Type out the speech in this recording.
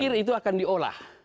saya pikir itu akan diolah